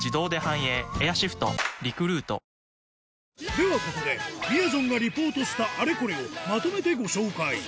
ではここで、みやぞんがリポートしたあれこれをまとめてご紹介。